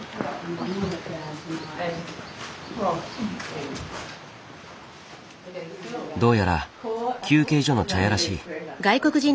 どうやら休憩所の茶屋らしい。